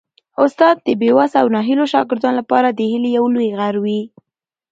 استاد د بې وسه او ناهیلو شاګردانو لپاره د هیلې یو لوی غر وي.